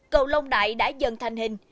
cầu long đại đã dần thành hình